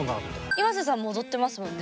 ｉｍａｓｅさんも踊ってますもんね。